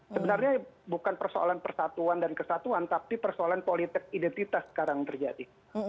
sebenarnya bukan persoalan persatuan dan kesatuan tapi persoalan politik identitas sekarang terjadi